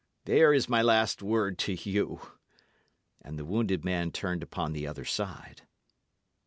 There is my last word to you." And the wounded man turned upon the other side.